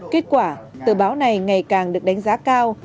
kết quả tờ báo này ngày càng được đánh giá cao